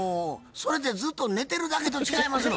それってずっと寝てるだけと違いますの？